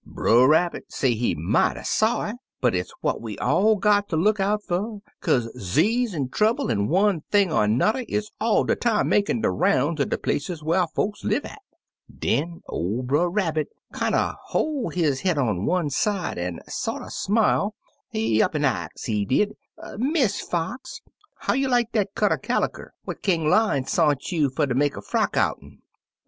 Brer Rabbit say he mighty sorry, but it's what we all got ter look out fer, kaze 'zease an' trouble, an' one thing an' an'er, is all de time makin' de roun's er de places whar folks live at. Den ol' Brer Rabbit kinder hoi' his head on one side an' sorter smile; he up an' ax, he did, *Miss Fox, how you like dat cut er caliker what King Lion sont you fer ter make a frock out'n?